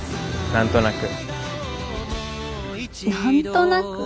何となく？